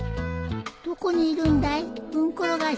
どこにいるんだいフンコロガシ。